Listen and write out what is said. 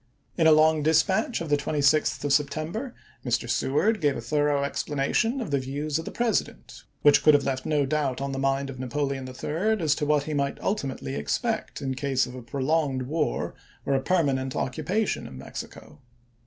In a long dispatch of the 26th of September, Mr. Seward lm, gave a thorough explanation of the views of the President, which could have left no doubt on the mind of Napoleon III. as to what he might ulti mately expect in case of a prolonged war or a permanent occupation of Mexico.